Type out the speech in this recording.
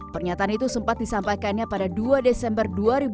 pernyataan itu sempat disampaikannya pada dua desember dua ribu dua puluh